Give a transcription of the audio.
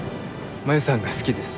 真夢さんが好きです。